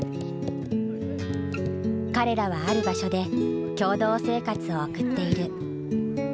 彼らはある場所で共同生活を送っている。